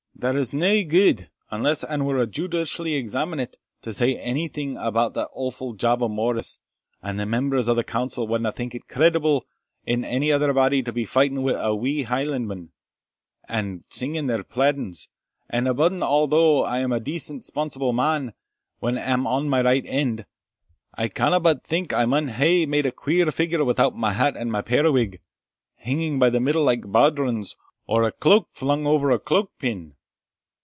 There's nae gude, unless ane were judicially examinate, to say onything about that awfu' job o' Morris and the members o' the council wadna think it creditable in ane of their body to be fighting wi' a wheen Hielandmen, and singeing their plaidens And abune a', though I am a decent sponsible man, when I am on my right end, I canna but think I maun hae made a queer figure without my hat and my periwig, hinging by the middle like bawdrons, or a cloak flung ower a cloak pin.